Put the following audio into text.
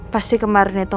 pasti kemarin itu